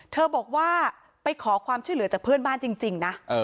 บอกว่าไปขอความช่วยเหลือจากเพื่อนบ้านจริงนะ